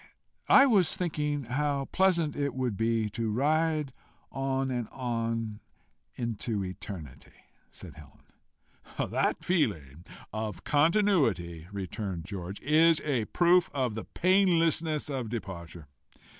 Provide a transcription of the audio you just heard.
I was thinking how pleasant it would be to ride on and on into eternity," said Helen. "That feeling of continuity," returned George, "is a proof of the painlessness of departure.